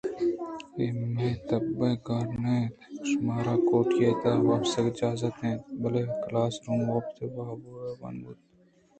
اے مئے تب ءِ کار نہ اَنت شمارا کوٹی ءِ تہا وپسگ ءِ اجازت اِنت بلئے کلاس روم وپت ءُواب ءِ بان بوت نہ کنت